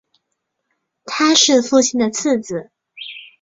他是父亲的次子。